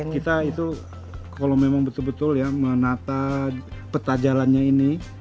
kita itu kalau memang betul betul ya menata peta jalannya ini